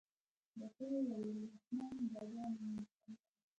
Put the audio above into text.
ډاکتر وويل رحمان بابا فرمايي.